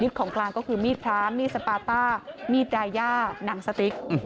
ของกลางก็คือมีดพระมีดสปาต้ามีดดายาหนังสติ๊ก